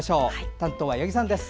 担当は八木さんです。